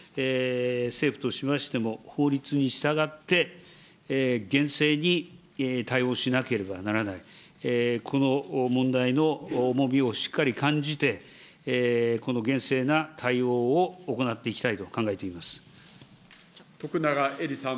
政府としましても、法律に従って、厳正に対応しなければならない、この問題の重みをしっかり感じて、この厳正な対応を行っていきたいと考えて徳永エリさん。